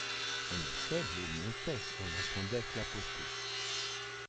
En effet, l’eau montait, on l’entendait clapoter.